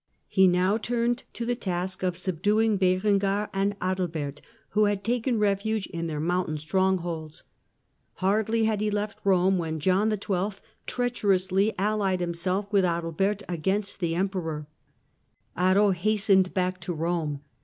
He now turned to the task of subduing Berengar and Adalbert, who had taken refuge in their mountain strongholds. Hardly had he left Eome when John XII. treacherously allied himself with Adalbert against the Emperor. Otto hastened back to Eome.